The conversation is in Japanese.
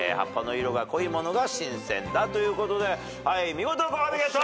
見事ご褒美ゲット！